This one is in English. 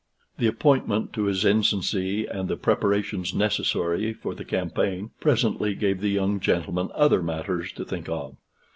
The appointment to his ensigncy, and the preparations necessary for the campaign, presently gave the young gentleman other matters to think of.